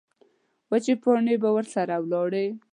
وچې پاڼې به ورسره لاړې.